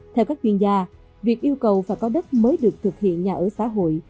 theo các chuyên gia việc yêu cầu và có đất mới được thực hiện nhà ở xã hội